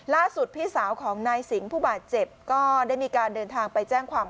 พี่สาวของนายสิงห์ผู้บาดเจ็บก็ได้มีการเดินทางไปแจ้งความ